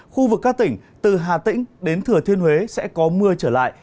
khu vực các tỉnh từ hà tĩnh đến thừa thiên huế sẽ có mưa trở lại